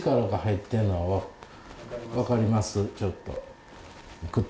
ちょっと。